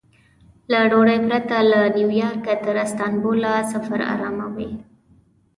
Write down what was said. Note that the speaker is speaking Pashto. له ډوډۍ پرته له نیویارکه تر استانبوله سفر ارامه و.